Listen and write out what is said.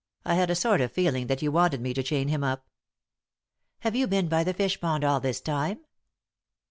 I had a sort of feeling that you wanted me to chain him up." " Have you been by the fishpond all this time